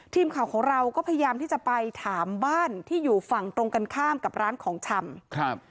ทีมข่าวของเราก็พยายามที่จะไปถามบ้านที่อยู่ฝั่งตรงกันข้ามกับร้านของชำครับ